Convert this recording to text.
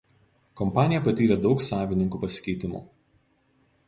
Kompanija patyrė daug savininkų pasikeitimų.